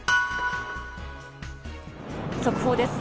速報です。